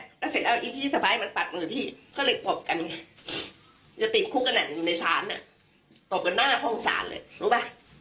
ก็เสร็จแล้วพี่สไฟมันปัดมือพี่ก็เลยตบกันอยู่ในศาลตบกันหน้าห้องศาลเลย